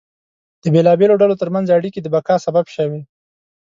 د بېلابېلو ډلو ترمنځ اړیکې د بقا سبب شوې.